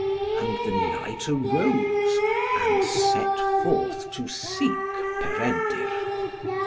And the knight arose, and set forth to seek Peredur.